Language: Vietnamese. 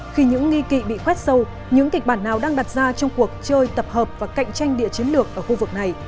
khi những nghi kỵ bị khoét sâu những kịch bản nào đang đặt ra trong cuộc chơi tập hợp và cạnh tranh địa chiến lược ở khu vực này